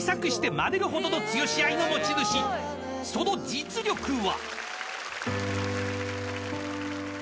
［その実力は］